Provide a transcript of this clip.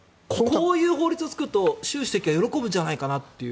こういう法律を作ると習主席は喜ぶんじゃないかなと。